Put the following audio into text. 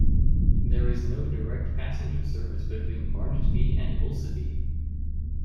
There is no direct passenger service between Barnetby and Ulceby.